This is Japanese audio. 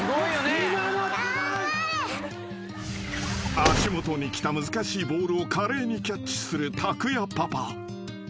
［足元に来た難しいボールを華麗にキャッチするたくやパパ］